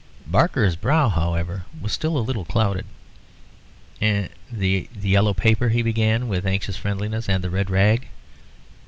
Barker's brow, however, was still a little clouded. "And the yellow paper," he began, with anxious friendliness, "and the red rag...."